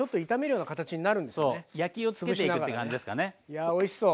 やおいしそう。